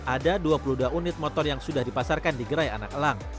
ada dua puluh dua unit motor yang sudah dipasarkan di gerai anak elang